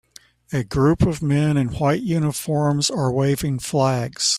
A group of men in white uniforms are waving flags.